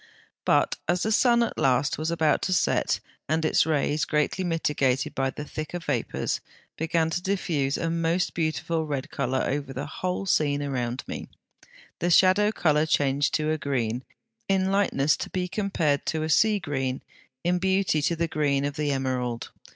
But as the sun at last was about to set, and its rays, greatly mitigated by the thicker vapours, began to diffuse a most beautiful red colour over the whole scene around me, the shadow colour changed to a green, in lightness to be compared to a sea green, in beauty to the green of the emerald.